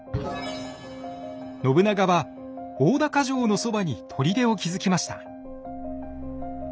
信長は大高城のそばに砦を築きました。